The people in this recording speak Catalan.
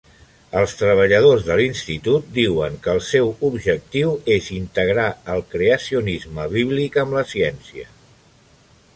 Els treballadors de l'institut diuen que el seu objectiu és integrar el creacionisme bíblic amb la ciència.